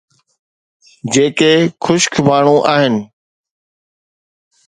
جيڪي خشڪ ماڻهو آهن.